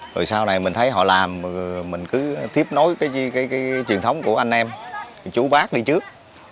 rồi sau này mình thấy họ làm mình cứ tiếp nối cái truyền thống của anh em chú bác đi trước